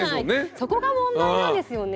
そこが問題なんですよね。